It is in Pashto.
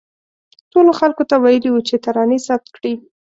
ټولو خلکو ته ویلي وو چې ترانې ثبت کړي.